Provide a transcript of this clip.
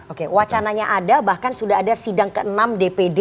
oke wacananya ada bahkan sudah ada sidang ke enam dpd